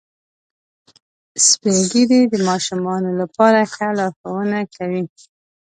سپین ږیری د ماشومانو لپاره ښه لارښوونه کوي